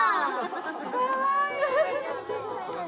かわいい。